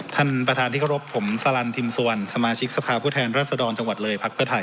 ท่านประธานที่เคารพผมสรรรทีมสวรรค์สมาชิกสภาผู้แทนรัฐสดรจังหวัดเลย